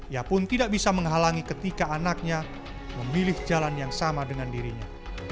ia pun tidak bisa menghalangi ketika anaknya memilih jalan yang sama dengan dirinya